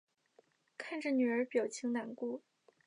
看着女儿表情难过